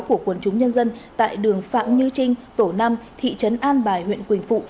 của quần chúng nhân dân tại đường phạm như trinh tổ năm thị trấn an bài huyện quỳnh phụ